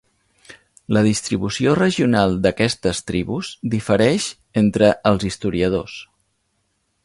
La distribució regional d'aquestes tribus difereix entre els historiadors.